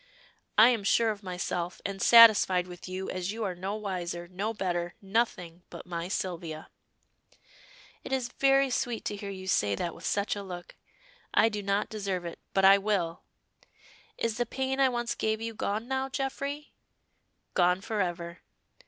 "I am sure of myself, and satisfied with you, as you are no wiser, no better, nothing but my Sylvia." "It is very sweet to hear you say that with such a look. I do not deserve it but I will. Is the pain I once gave you gone now, Geoffrey?" "Gone forever."